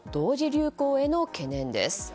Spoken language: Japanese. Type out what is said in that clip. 流行への懸念です。